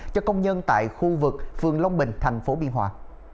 cho công nhân tại khu vực phường long bình thành phố biên hòa